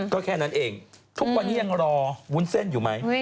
ก็แค่นั้นเองทุกวันนี้ยังรอวุ้นเส้นอยู่ไหม